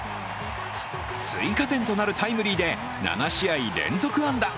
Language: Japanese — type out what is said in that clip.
追加点となるタイムリーで７試合連続安打。